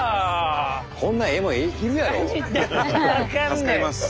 助かります。